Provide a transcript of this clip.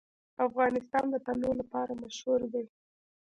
افغانستان د تنوع لپاره مشهور دی.